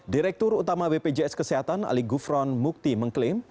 direktur utama bpjs kesehatan ali gufron mukti mengklaim